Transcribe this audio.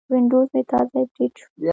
وینډوز مې تازه اپډیټ شو.